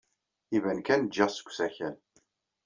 Iban kan ǧǧiɣ-tt deg usakal.